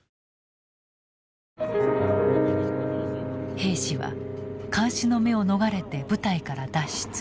兵士は監視の目を逃れて部隊から脱出。